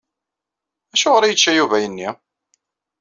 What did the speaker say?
Acuɣer i yečča Yuba ayenni?